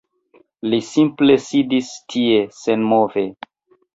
Li simple sidis tie, senmove.